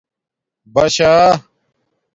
بشْآ